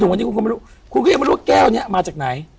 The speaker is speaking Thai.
คุณก็ยังไม่รู้ว่าแก้วเนี่ยมาจากไหน